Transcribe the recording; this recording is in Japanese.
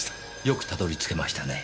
よくたどり着けましたね。